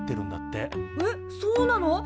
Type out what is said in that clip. えっそうなの？